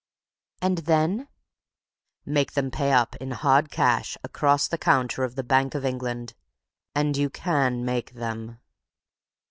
"And then?" "Make them pay up in hard cash across the counter of the Bank of England. And you can make them."